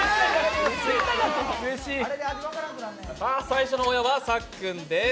最初の親はさっくんです